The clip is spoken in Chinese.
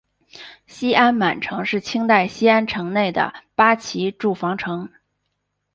西安满城是清代西安城内的八旗驻防城。